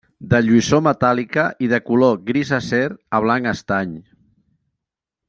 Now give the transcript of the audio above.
De lluïssor metàl·lica i de color gris acer a blanc estany.